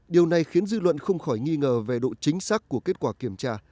điều này khiến dư luận không khỏi nghi ngờ về độ chính xác của kết quả kiểm tra